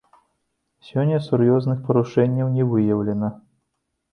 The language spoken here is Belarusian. Сёння сур'ёзных парушэнняў не выяўлена.